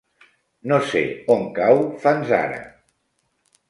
No sé on cau Fanzara.